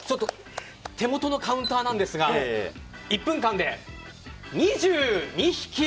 手元のカウンターなんですが１分間で２２匹！